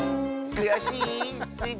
くやしい。